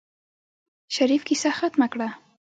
شريف کيسه ختمه کړه.